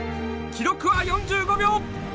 記録は４５秒！